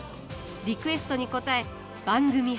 リクエストに応え番組